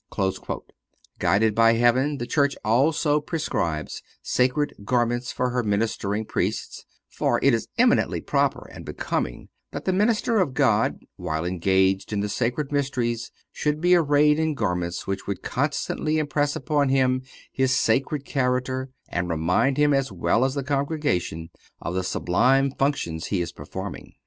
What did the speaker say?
(433) Guided by Heaven, the Church also prescribes sacred garments for her ministering Priests; for it is eminently proper and becoming that the minister of God, while engaged in the sacred mysteries, should be arrayed in garments which would constantly impress upon him his sacred character and remind him, as well as the congregation, of the sublime functions he is performing.